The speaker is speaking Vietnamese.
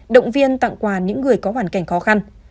động viên tặng quà những người có hoàn cảnh khó khăn